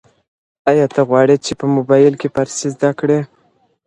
ایا ته غواړې چي په موبایل کي فارسي زده کړې؟